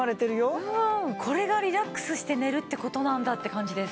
これがリラックスして寝るって事なんだって感じです。